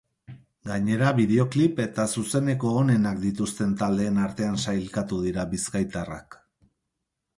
Gainera, bideoklip eta zuzeneko onenak dituzten taldeen artean sailkatu dira bizkaitarrak.